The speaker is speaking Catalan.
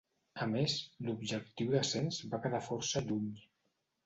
A més, l'objectiu d'ascens va quedar força lluny.